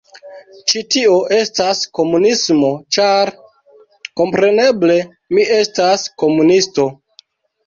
Ĉi tio estas komunismo ĉar, kompreneble, mi estas komunisto